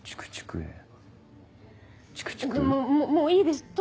もういいです。